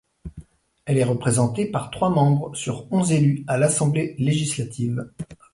Elle est représentée par trois membres sur onze élus à l'assemblée législative.